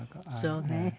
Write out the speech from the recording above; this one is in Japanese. そうね。